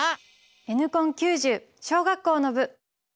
「Ｎコン９０」小学校の部！